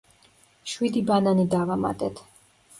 შვიდი ბანანი დავამატეთ.